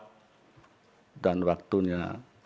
hai dan waktunya